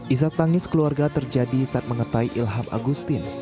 isat tangis keluarga terjadi saat mengetai ilham agustin